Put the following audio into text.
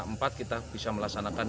rencana empat kita bisa melaksanakan dua